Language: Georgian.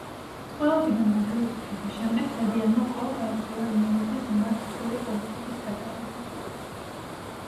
ტყვეობიდან გათავისუფლების შემდეგ დადიანმა კვლავ გააგრძელა იმერეთის მიმართ მტრული პოლიტიკის გატარება.